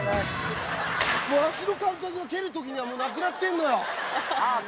もう足の感覚が蹴る時にはもうなくなってるのよ。